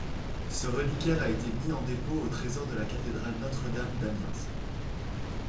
Ce reliquaire a été mis en dépôt au trésor de la cathédrale Notre-Dame d'Amiens.